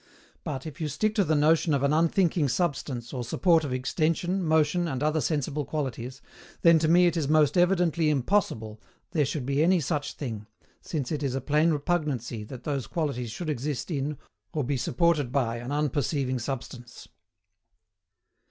But, if you stick to the notion of an unthinking substance or support of extension, motion, and other sensible qualities, then to me it is most evidently impossible there should be any such thing, since it is a plain repugnancy that those qualities should exist in or be supported by an unperceiving substance.